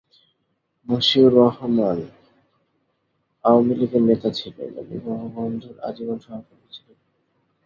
মসিউর রহমান আওয়ামী লীগের নেতা ছিলেন এবং বঙ্গবন্ধুর আজীবন সহকর্মী ছিলেন।